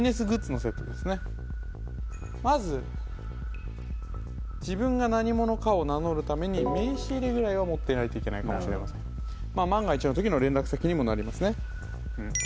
まず自分が何者かを名乗るために名刺入れぐらいは持ってないといけないかもしれませんにもなりますね